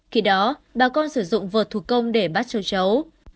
khi đó bà con sử dụng vợt thủ công để bát châu chấu